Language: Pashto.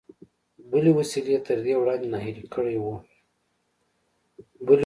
بلې وسيلې تر دې وړاندې ناهيلی کړی و.